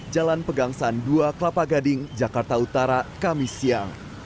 jalan pegangsaan dua kelapa gading jakarta utara kamis siang